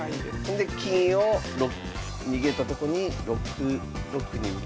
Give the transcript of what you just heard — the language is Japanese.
で金を逃げたとこに６六に打つ。